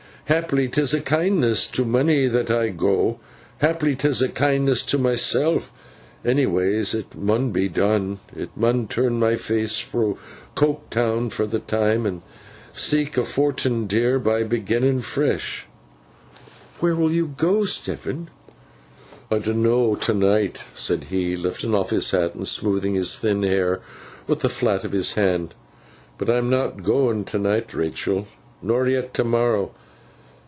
Haply 'tis a kindness to monny that I go; haply 'tis a kindness to myseln; anyways it mun be done. I mun turn my face fro Coketown fur th' time, and seek a fort'n, dear, by beginnin fresh.' 'Where will you go, Stephen?' 'I donno t'night,' said he, lifting off his hat, and smoothing his thin hair with the flat of his hand. 'But I'm not goin t'night, Rachael, nor yet t'morrow.